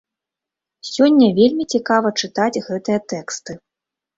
Сёння вельмі цікава чытаць гэтыя тэксты.